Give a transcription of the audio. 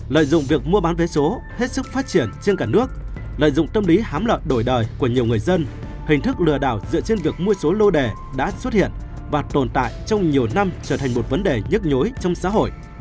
lợi dụng việc mua bán vé số hết sức phát triển trên cả nước lợi dụng tâm lý hám lợi đổi đời của nhiều người dân hình thức lừa đảo dựa trên việc mua số lô đẻ đã xuất hiện và tồn tại trong nhiều năm trở thành một vấn đề nhức nhối trong xã hội